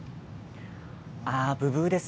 ブブーです。